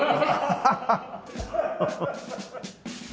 ハハハハ！